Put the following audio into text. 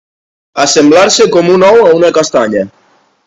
Assemblar-se com un ou a una castanya.